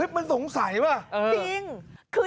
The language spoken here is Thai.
มันสงสัยป่าว